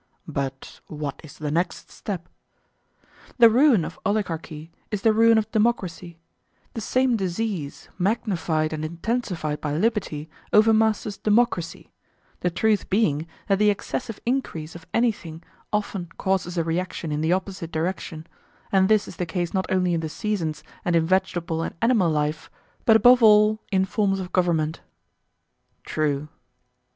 But what is the next step? The ruin of oligarchy is the ruin of democracy; the same disease magnified and intensified by liberty overmasters democracy—the truth being that the excessive increase of anything often causes a reaction in the opposite direction; and this is the case not only in the seasons and in vegetable and animal life, but above all in forms of government. True.